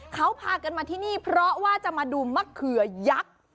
เขาพากันมาที่นี่เพราะว่าจะมาดูมะเขือยักษ์